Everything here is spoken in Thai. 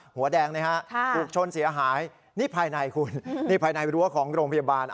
หัวแดงนะฮะถูกชนเสียหายนี่ภายในคุณนี่ภายในรั้วของโรงพยาบาล